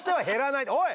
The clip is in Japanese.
おい！